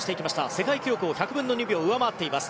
世界記録を１００分の２秒上回っています。